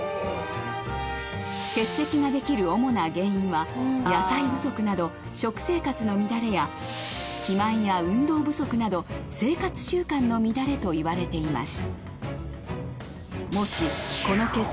結石ができる主な原因は野菜不足など食生活の乱れや肥満や運動不足など生活習慣の乱れといわれています。